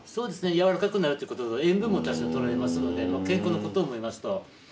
やわらかくなるってことと塩分も多少とれますので健康のことを思いますと。